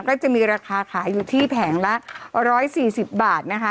ก็จะมีราคาขายอยู่ที่แผงละ๑๔๐บาทนะคะ